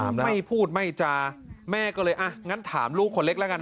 ไม่พูดไม่จาแม่ก็เลยอ่ะงั้นถามลูกคนเล็กแล้วกัน